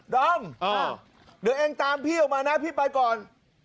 ดอมเดี๋ยวเองตามพี่ออกมานะพี่ไปก่อน